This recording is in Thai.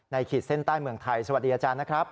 ขีดเส้นใต้เมืองไทยสวัสดีอาจารย์นะครับ